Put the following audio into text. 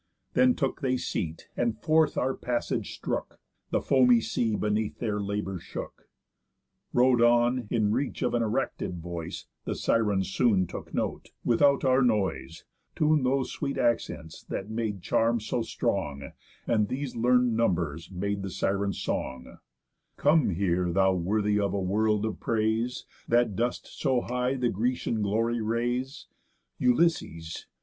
Then took they seat, and forth our passage strook, The foamy sea beneath their labour shook. Row'd on, in reach of an erected voice, The Sirens soon took note, without our noise, Tun'd those sweet accents that made charms so strong, And these learn'd numbers made the Sirens' song: _'Come here, thou worthy of a world of praise, That dost so high the Grecian glory raise, Ulysses!